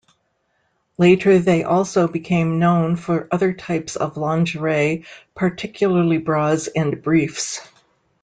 Later they also became known for other types of lingerie, particularly bras and briefs.